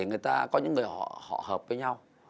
người ta có những người họ hợp với nhau